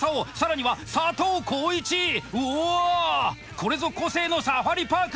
これぞ個性のサファリパーク！